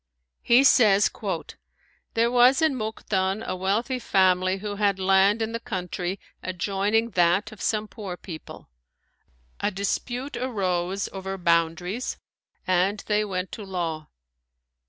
He says: "There was in Mukden a wealthy family who had land in the country adjoining that of some poor people. A dispute arose over boundaries and they went to law.